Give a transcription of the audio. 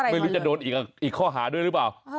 ไม่รู้จะโดนอีกข้อหาด้วยหรือเปล่า